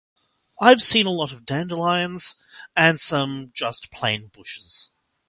I've seen a lot of dandelions and some just plain bushes.